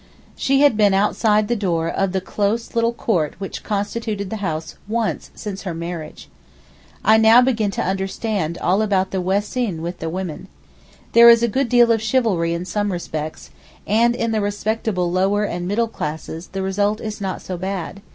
She had been outside the door of the close little court which constituted the house once since her marriage. I now begin to understand all about the wesen with the women. There is a good deal of chivalry in some respects, and in the respectable lower and middle classes the result is not so bad.